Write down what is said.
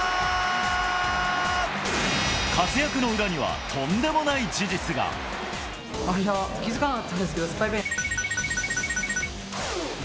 活躍の裏には、とんでもない気付かなかったんですけど、スパイクに×××。